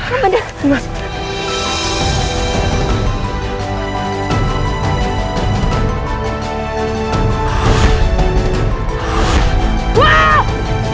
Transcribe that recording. apa yang terjadi nimas